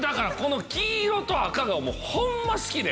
黄色と赤がホンマ好きで。